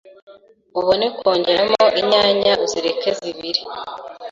ubone kongeramo inyanya uzireke zibire